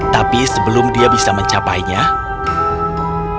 tapi sebelum dia bisa mencapai diri putri ini menunggu